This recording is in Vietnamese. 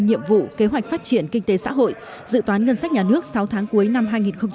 nhiệm vụ kế hoạch phát triển kinh tế xã hội dự toán ngân sách nhà nước sáu tháng cuối năm hai nghìn một mươi chín